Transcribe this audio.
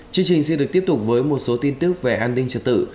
chương trình xin được tiếp tục với một số tin tức về an ninh trật tự